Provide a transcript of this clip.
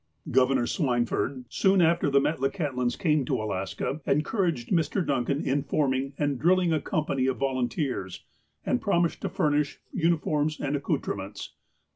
Governor Swineford, soon after the Metlakahtlans came to Alaska, encouraged Mr. Duncan in forming and drilling a company of volunteers, and promised to furnish uniforms and accoutrements.